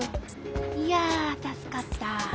いやたすかった。